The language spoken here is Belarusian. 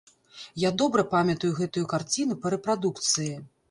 Я добра памятаю гэтую карціну па рэпрадукцыі.